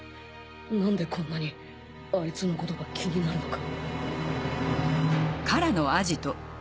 なんでこんなにアイツのことが気になるのか。